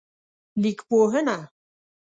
لیکپوهنه